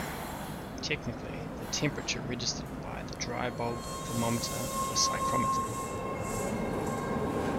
Technically, the temperature registered by the dry-bulb thermometer of a psychrometer.